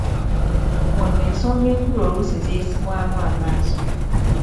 Wano ensonga enkulu oluusi ziyisibwamu amaaso.